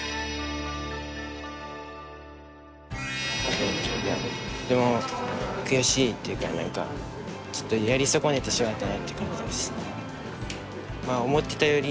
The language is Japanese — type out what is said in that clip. とても悔しいっていうか何かちょっとやり損ねてしまったなっていう感じです。